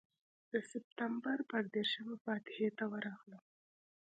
د سپټمبر پر دېرشمه فاتحې ته ورغلم.